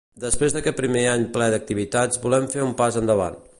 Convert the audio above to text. Després d’aquest primer any ple d’activitats volem fer un pas endavant.